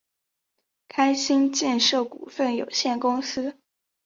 开心建设股份有限公司